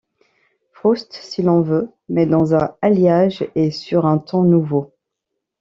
Proust, si l’on veut, mais dans un alliage et sur un ton nouveaux.